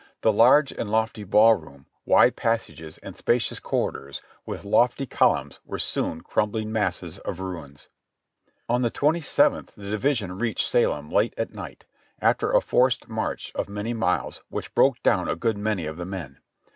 The large and lofty ball room, wide passages and spacious corridors with lofty columns were soon crumbling masses of ruins. On the twenty seventh the division reached Salem late at night, after a forced march of many miles which broke down a good many of the men.